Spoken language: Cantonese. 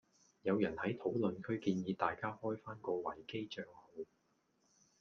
有人喺討論區建議大家開返個維基帳號